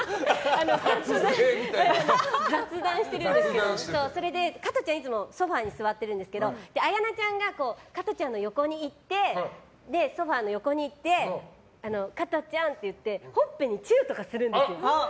雑談しているんですけど加トちゃん、いつもソファに座ってるんですけど綾菜ちゃんが加トちゃんの横に行ってソファの横に行って加トちゃんって言ってほっぺにチューとかするんですよ。